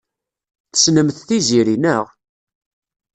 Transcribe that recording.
Tessnemt Tiziri, naɣ?